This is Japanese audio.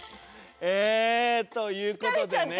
えということでね。